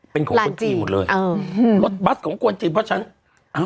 เป็นของคนจีนหมดเลยเอออืมรถบัสของคนจีนเพราะฉะนั้น